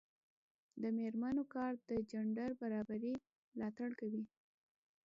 د میرمنو کار د جنډر برابري ملاتړ کوي.